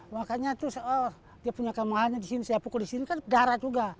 makanya itu dia punya kemahannya di sini saya pukul di sini kan darah juga